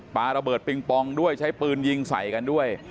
ปลาระเบิดปิงปองด้วยใช้ปืนยิงใส่กันด้วย